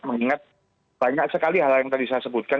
mengingat banyak sekali hal yang tadi saya sebutkan